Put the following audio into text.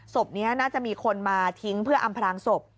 ศพนี้น่าจะมีคนมาทิ้งเพื่ออำพลางศพ